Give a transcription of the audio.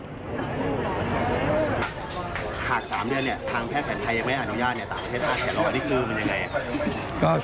ถามด้วยทางแพทย์แผ่นไทยยังไม่อนุญาตต่างประเทศอาทิตย์หรอกนี่คือมันยังไง